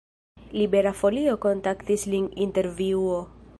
Libera Folio kontaktis lin por intervjuo.